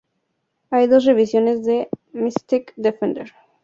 Hay dos revisiones de Mystic Defender.